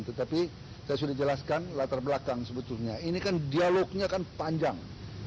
tetapi saya sudah jelaskan latar belakang sebetulnya ini kan dialognya kan panjang